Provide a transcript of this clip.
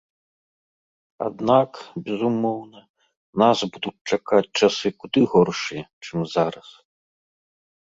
Аднак, безумоўна, нас будуць чакаць часы куды горшыя, чым зараз.